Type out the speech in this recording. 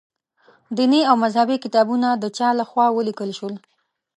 دیني او مذهبي کتابونه د چا له خوا ولیکل شول.